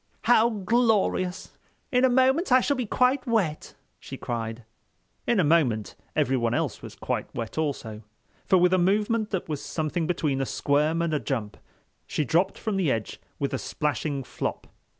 "How glorious! In a moment I shall be quite wet," she cried. In a moment everyone else was quite wet also—for with a movement that was something between a squirm and a jump, she dropped from the edge with a splashing flop.